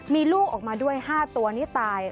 มีลูกออกมาด้วย๕ตัวนี้ตาย